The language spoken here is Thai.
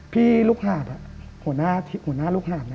พี่ลูกหาดอ่ะหัวหน้าที่หัวหน้าลูกหาดน่ะ